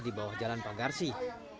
di bawah jalan pagarsih